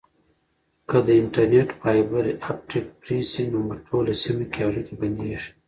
که د انټرنیټ فایبر اپټیک پرې شي نو په ټوله سیمه کې اړیکه بندیږي.